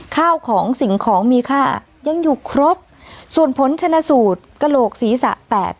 ข้าวของสิ่งของมีค่ายังอยู่ครบส่วนผลชนะสูตรกระโหลกศีรษะแตก